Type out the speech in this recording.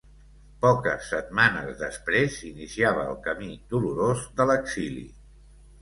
Poques setmanes després iniciava el camí dolorós de l'exili.